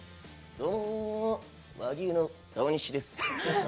どうも、和牛の川西です。